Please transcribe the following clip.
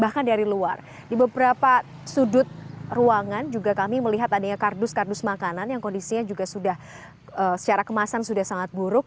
bahkan dari luar di beberapa sudut ruangan juga kami melihat adanya kardus kardus makanan yang kondisinya juga sudah secara kemasan sudah sangat buruk